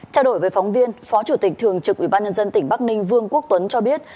trao đổi với phóng viên phó chủ tịch thường trực ủy ban nhân dân tỉnh bắc ninh vương quốc tuấn cho biết